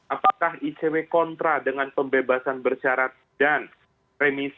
apakah icw kontra dengan pembebasan bersyarat dan remisi